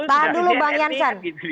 tahan dulu mbak nianshan